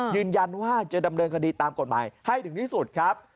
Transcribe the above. ยืนยันว่าจะดำเนินคดีตามกฎหมายให้ถึงที่สุดครับ